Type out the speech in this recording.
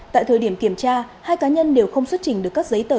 tại thời điểm kiểm tra hai cá nhân đều không xuất trình được các giấy tờ